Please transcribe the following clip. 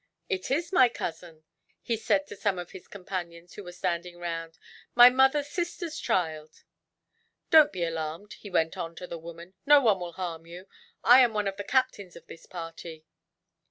"It is my cousin," he said to some of his companions who were standing round, "my mother's sister's child." "Don't be alarmed," he went on, to the woman, "no one will harm you. I am one of the captains of this party."